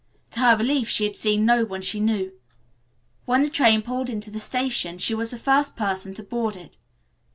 To her relief she had seen no one she knew. When the train pulled into the station she was the first person to board it.